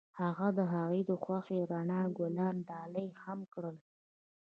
هغه هغې ته د خوښ رڼا ګلان ډالۍ هم کړل.